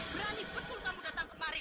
berani betul kamu datang kemari